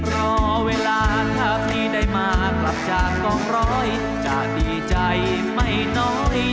รอเวลาถ้าพี่ได้มากลับจากกองร้อยจะดีใจไม่น้อย